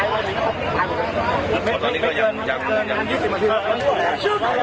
โปรดติดตามต่อไป